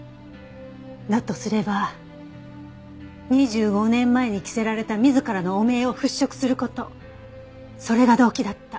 だとすれば２５年前に着せられた自らの汚名を払拭する事それが動機だった。